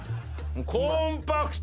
コンパクト！